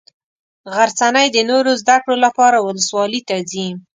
غرڅنۍ د نورو زده کړو لپاره ولسوالي ته ځي.